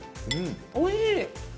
おいしい！